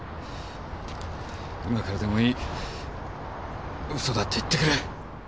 今からでもいい嘘だって言ってくれ。